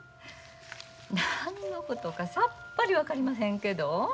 何のことかさっぱり分かりまへんけど。